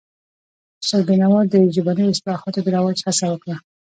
استاد بینوا د ژبنیو اصطلاحاتو د رواج هڅه وکړه.